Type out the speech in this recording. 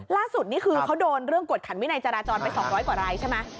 นี่คือเขาโดนเรื่องกวดขันวินัยจราจรไป๒๐๐กว่ารายใช่ไหม